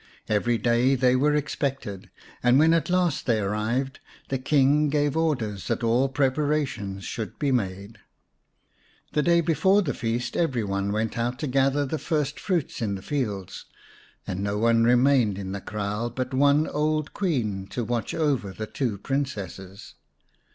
Every day they were expected, and when at last they arrived the King gave orders that all preparations should be made. The day before the feast every one went out to gather the first fruits in the fields, and no 203 Nya nya Bulembu; xvn one remained in the kraal but one old Queen to watch over the two Princesses.